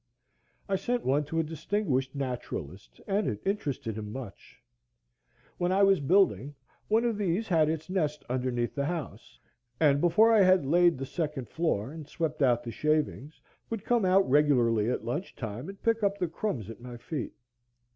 I sent one to a distinguished naturalist, and it interested him much. When I was building, one of these had its nest underneath the house, and before I had laid the second floor, and swept out the shavings, would come out regularly at lunch time and pick up the crumbs at my feet.